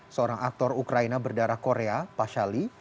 seorang aktor ukraina berdarah korea pak shaly